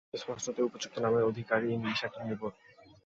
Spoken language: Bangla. স্পষ্টতই, উপযুক্ত নামের অধিকারী ইংলিশ একটা নির্বোধ।